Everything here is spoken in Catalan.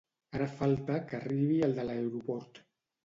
Ara falta que arribi el de l'aeroport